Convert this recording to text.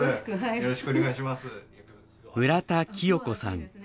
村田喜代子さん。